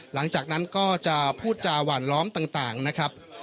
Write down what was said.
หลังจากนั้นก็จะพูดจาหวานล้อมต่างนะครับ